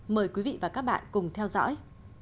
mời quý vị và các bạn cùng theo dõi